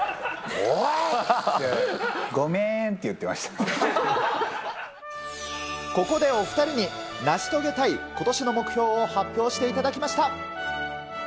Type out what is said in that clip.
おおい！って言って、ごめんってここでお２人に、成し遂げたいことしの目標を発表していただきました。